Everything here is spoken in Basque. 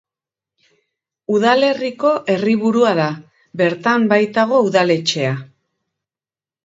Udalerriko herriburua da, bertan baitago udaletxea.